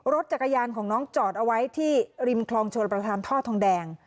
รถจักรยานของน้องจอดเอาไว้ที่ริมคลองชนประธานท่อทองแดง